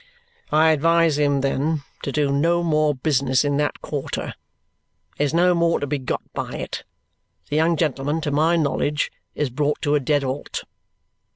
"I advise him, then, to do no more business in that quarter. There's no more to be got by it. The young gentleman, to my knowledge, is brought to a dead halt."